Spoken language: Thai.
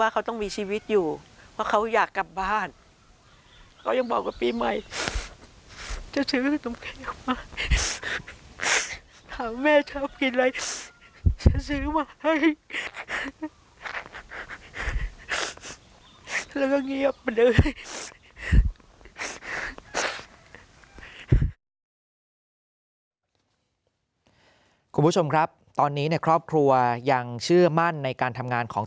คุณผู้ชมครับตอนนี้ครอบครัวยังเชื่อมั่นในการทำงานของ